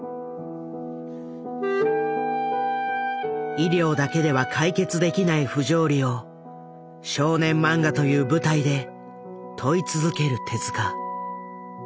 医療だけでは解決できない不条理を少年漫画という舞台で問い続ける手。